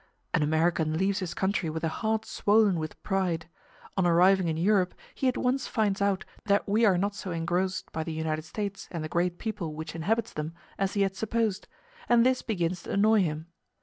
An American leaves his country with a heart swollen with pride; on arriving in Europe he at once finds out that we are not so engrossed by the United States and the great people which inhabits them as he had supposed, and this begins to annoy him.